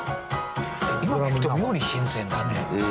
今聴くと妙に新鮮だね。